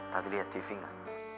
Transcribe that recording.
tadi liat tv gak